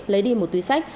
lấy đi một túi sách